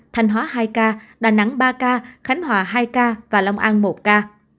thanh hóa hai ca đà nẵng ba ca khánh hòa hai ca và long an một ca